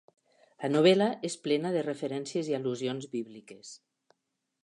La novel·la és plena de referències i al·lusions bíbliques.